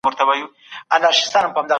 همدا مواد فعالیت کنټرولوي.